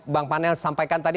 bang panel sampaikan tadi